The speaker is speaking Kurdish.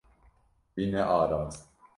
Wî nearast.